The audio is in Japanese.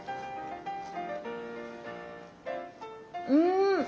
うん。